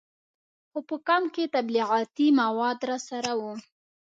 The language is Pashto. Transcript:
خو په کمپ کې تبلیغاتي مواد راسره وو.